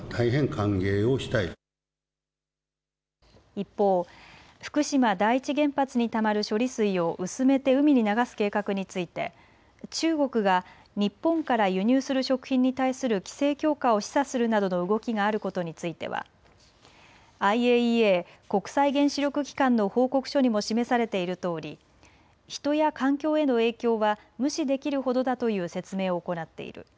一方、福島第一原発にたまる処理水を薄めて海に流す計画について中国が日本から輸入する食品に対する規制強化を示唆するなどの動きがあることについてはＩＡＥＡ・国際原子力機関の報告書にも示されているとおり人や環境への影響は無視できるほどだという説明を行っている。